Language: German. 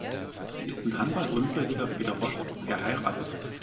Sie ist mit Handball-Olympiasieger Peter Rost verheiratet.